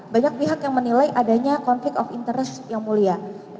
banyak pihak yang menilai adanya konflik of interest yang mulia